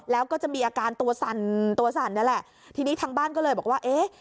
แล้วก็จะมีอาการตัวสั่นตัวสั่นนี่แหละทีนี้ทางบ้านก็เลยบอกว่าเอ๊ะ